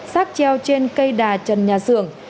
sát treo trên cây đà trần nhà xưởng